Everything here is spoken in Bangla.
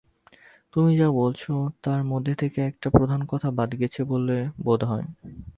তুমি যা বলছ তার মধ্যে থেকে একটা প্রধান কথা বাদ গেছে বলে বোধ হয়।